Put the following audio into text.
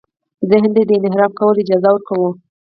ذهن ته د انحراف کولو اجازه ورکوو.